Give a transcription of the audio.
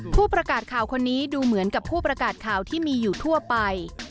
ผู้ประกาศข่าวคนนี้ดูเหมือนกับผู้ประกาศข่าวที่มีอยู่ทั่วไป